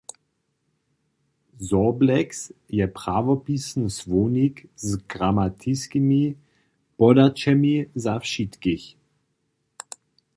„Soblex“ je prawopisny słownik z gramatiskimi podaćemi za wšitkich.